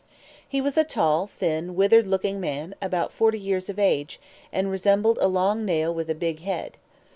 He was a tall, thin, withered looking man, about forty years of age, and resembled a long nail with a big head.